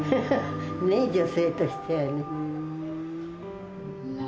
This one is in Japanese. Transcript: ねえ女性としてはね。